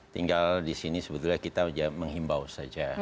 tinggal di sini sebetulnya kita menghimbau saja